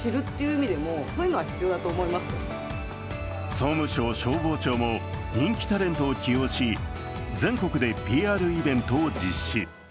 総務省消防庁も人気タレントを起用し全国でＰＲイベントを実施。